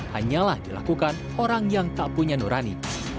hanyalah dilakukan orang yang tak punya nurani